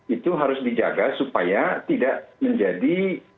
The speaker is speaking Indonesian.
itu harus dijaga supaya tidak menjadi